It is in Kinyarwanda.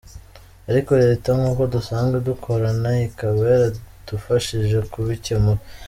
Ariko Leta nkuko dusanzwe dukorana ikaba yaradufashije kubicyemura.